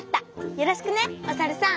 よろしくねおさるさん！